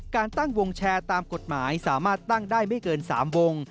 การตั้งวงแชร์ตามกฎหมายสามารถตั้งได้ไม่เกิน๓วง